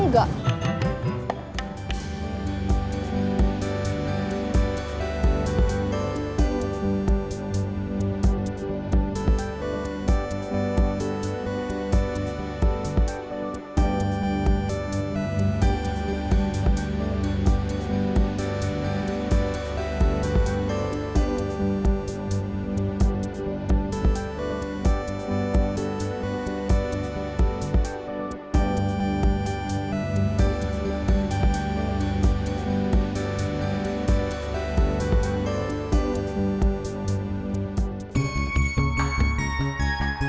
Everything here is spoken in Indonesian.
mau makan apa